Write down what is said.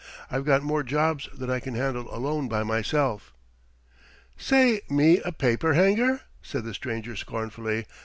"I've got more jobs than I can handle alone by myself." "Say, me a paper hanger?" said the stranger scornfully.